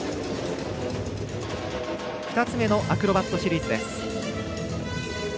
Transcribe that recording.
２つ目のアクロバットシリーズ。